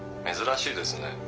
珍しいですね。